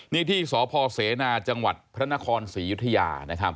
นี่ที่สพเสนาจังหวัดพระนครศรียุธยา